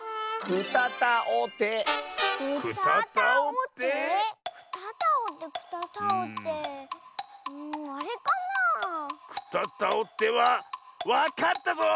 くたたをてはわかったぞ！